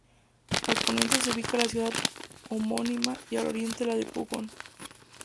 Al poniente se ubica la ciudad homónima y al oriente la de Pucón.